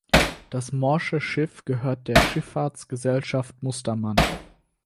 Das morsche Schiff gehört der Schifffahrtsgesellschaft Mustermann.